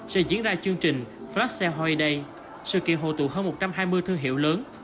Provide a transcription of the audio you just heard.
sẽ diễn ra chương trình flash sale holiday sự kiện hộ tụ hơn một trăm hai mươi thương hiệu lớn